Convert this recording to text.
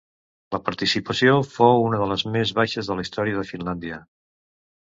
La participació fou una de les més baixes de la història de Finlàndia.